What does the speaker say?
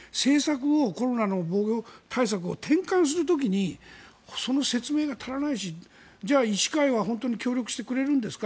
これだけ政策をコロナの対策を転換する時にその説明が足らないしじゃあ、本当に医師会は協力してくれるんですか？